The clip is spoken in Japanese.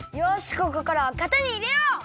ここからはかたにいれよう！